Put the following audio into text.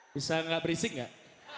bisa gak berisik gak